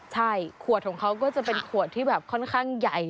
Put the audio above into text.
ใช่ขวดของเขาก็จะเป็นขวดที่แบบค่อนข้างใหญ่